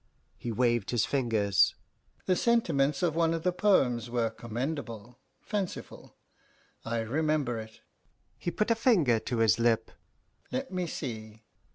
He waved his fingers. "The sentiments of one of the poems were commendable, fanciful. I remember it" he put a finger to his lip "let me see."